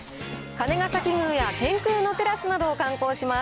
金崎宮や天空のテラスなどを観光します。